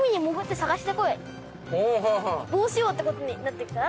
どうしよう？って事になってきたら。